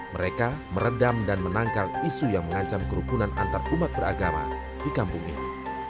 mereka meredam dan menangkang isu yang mengancam kerukunan antar umat beragama di kampung ini